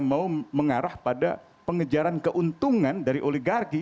mau mengarah pada pengejaran keuntungan dari oligarki